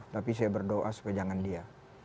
tapi saya berdoa supaya jangan dia